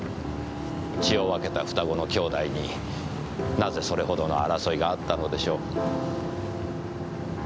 血を分けた双子の兄弟になぜそれほどの争いがあったのでしょう。